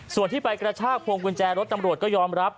ส่วนที่ไปกระชากพวงกุญแจรถตำรวจก็ยอมรับ